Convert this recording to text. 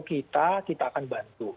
kita akan bantu